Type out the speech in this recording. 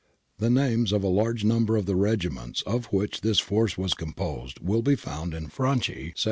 The names of a large number of the regiments of which this force was composed will be found in Frand, ii.